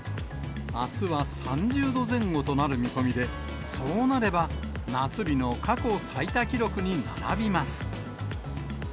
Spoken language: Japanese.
あすは３０度前後となる見込みで、そうなれば、夏日の過去最多記録に並びます。